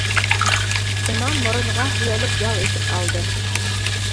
Унан моронға һөйәлеп ял итеп алды.